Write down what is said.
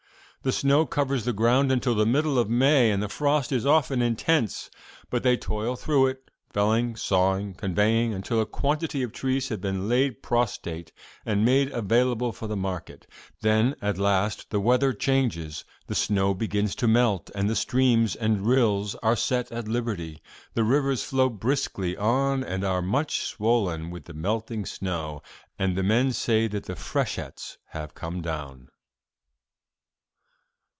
The snow covers the ground until the middle of May, and the frost is often intense. But they toil through it, felling, sawing and conveying until a quantity of trees have been laid prostrate and made available for the market. Then, at last, the weather changes; the snow begins to melt and the streams and rills are set at liberty. The rivers flow briskly on and are much swollen with the melting snow, and the men say that the freshets have come down.